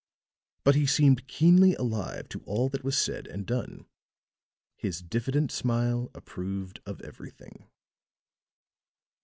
But he seemed keenly alive to all that was said and done; his diffident smile approved of everything.